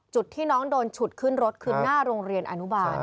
จุดที่น้องโดนฉุดขึ้นรถคือหน้าโรงเรียนอนุบาล